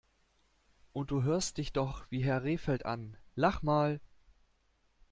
Und du hörst dich doch wie Herr Rehfeld an! Lach mal!